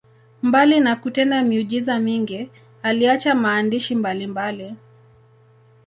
Mbali na kutenda miujiza mingi, aliacha maandishi mbalimbali.